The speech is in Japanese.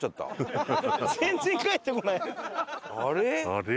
あれ？